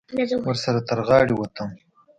ورسره تر غاړې ووتم.